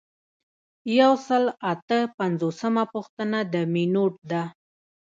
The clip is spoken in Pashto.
یو سل او اته پنځوسمه پوښتنه د مینوټ ده.